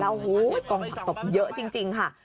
โอ้โหกองผักตบเยอะจริงค่ะ